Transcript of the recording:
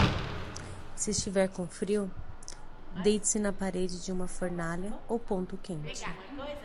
Se estiver com frio, deite-se na parede de uma fornalha ou ponto quente.